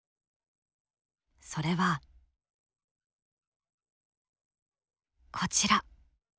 それはこちら。